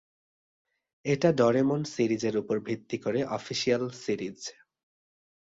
এটা ডোরেমন সিরিজের উপর ভিত্তি করে অফিসিয়াল সিরিজ।